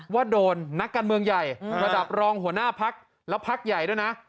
ว่าโดนนักการเมืองใหญ่ระดับรองหัวหน้าพักแล้วพักใหญ่ด้วยนะ